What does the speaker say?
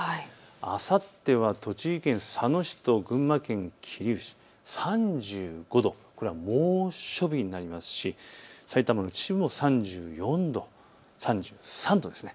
あさっては栃木県佐野市と群馬県桐生市で３５度、これは猛暑日になりますし埼玉の秩父も３３度です。